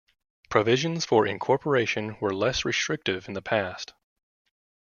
Provisions for incorporation were less restrictive in the past.